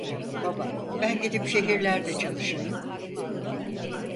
Baba, ben gidip şehirlerde çalışayım.